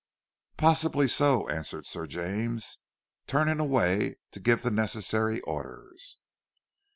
"Possibly so!" answered Sir James, turning away to give the necessary orders.